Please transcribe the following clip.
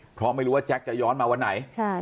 เพราะไม่รู้ว่าแจ็คจะย้อนมาวันไหน